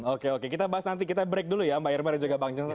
oke oke kita bahas nanti kita break dulu ya mbak irma dan juga bang jansen